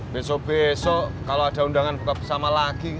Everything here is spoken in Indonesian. besok besok kalo ada undangan berkabut sama lagi